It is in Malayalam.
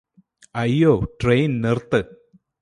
അയ്യോ ട്രെയിന് നിര്ത്ത്